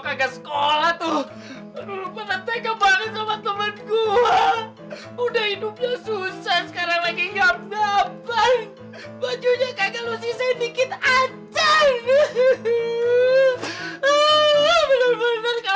akhirnya dapet juga keletak